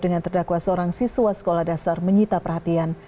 dengan terdakwa seorang siswa sekolah dasar menyita perhatian